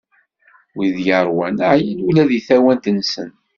Wid yeṛwan, ɛyan ula deg tawant-nsen.